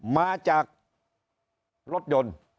มาจากรถยนต์